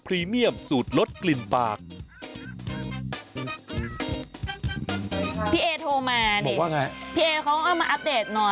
พี่เอ๋โทรมาพี่เอ๋เขาก็มาอัปเดต